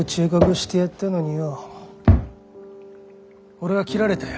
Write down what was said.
俺は切られたよ。